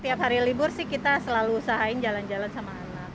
setiap hari libur sih kita selalu usahain jalan jalan sama anak